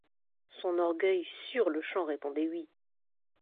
Son orgueil sur-le-champ répondait oui.